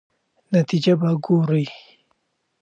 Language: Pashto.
نتیجه به ګورئ.